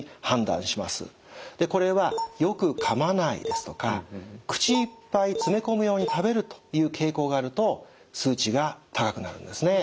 これは「よく噛まない」ですとか口いっぱい詰め込むように食べるという傾向があると数値が高くなるんですね。